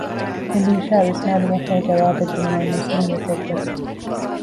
އެލީޝާ ވިސްނާލުމަށްފަހު ޖަވާބެއްދިނުމަށް މުސްލިމްވެސް އެއްބަސް ވި